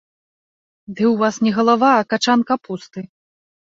Ды ў вас не галава, а качан капусты.